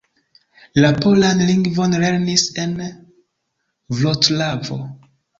La polan lingvon lernis en Vroclavo.